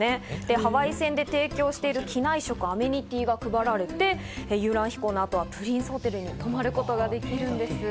ハワイ線で提供している機内食、アメニティーが配られて、遊覧飛行のあとはプリンスホテルに泊まることができるんです。